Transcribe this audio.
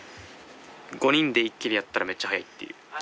５人で一気にやったらめっちゃ早いっていう。